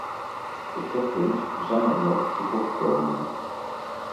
Op dat punt zijn er nog tekortkomingen.